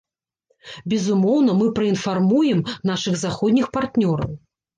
Безумоўна, мы праінфармуем нашых заходніх партнёраў.